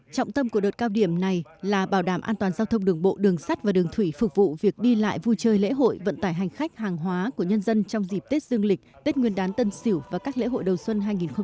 trọng tâm của đợt cao điểm này là bảo đảm an toàn giao thông đường bộ đường sắt và đường thủy phục vụ việc đi lại vui chơi lễ hội vận tải hành khách hàng hóa của nhân dân trong dịp tết dương lịch tết nguyên đán tân sỉu và các lễ hội đầu xuân hai nghìn hai mươi một